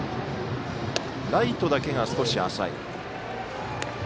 ライトだけが少し浅い。